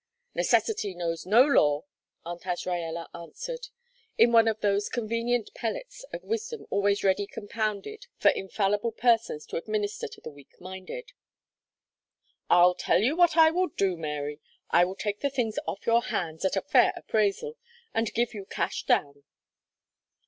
"Necessity knows no law," Aunt Azraella answered, in one of those convenient pellets of wisdom always ready compounded for infallible persons to administer to the weak minded. "I'll tell you what I will do, Mary. I will take the things off your hands at a fair appraisal, and give you cash down."